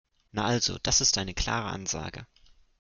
Na also, das ist eine klare Ansage.